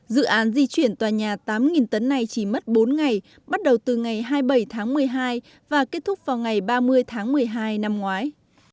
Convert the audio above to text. dự án di chuyển tòa nhà tám tấn này chỉ mất bốn ngày bắt đầu từ ngày hai mươi bảy tháng một mươi hai và kết thúc vào ngày ba mươi tháng một mươi hai năm ngoái